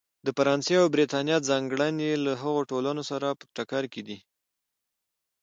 د فرانسې او برېټانیا ځانګړنې له هغو ټولنو سره په ټکر کې دي.